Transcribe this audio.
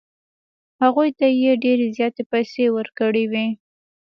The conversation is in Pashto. هغوی ته یې ډېرې زیاتې پیسې ورکړې وې.